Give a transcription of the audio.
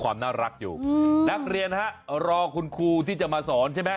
ความน่ารักอยู่นักเรียนฮะรอคุณครูที่จะมาสอนใช่ไหม